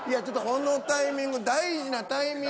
このタイミング大事なタイミング。